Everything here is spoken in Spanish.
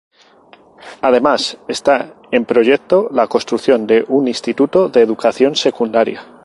Además está en proyecto la construcción de un instituto de educación secundaria.